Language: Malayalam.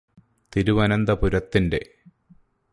തിരുവനന്തപുരത്തിന്റെ